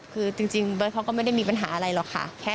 คือจริงเบิร์ตเขาก็ไม่ได้มีปัญหาอะไรหรอกค่ะ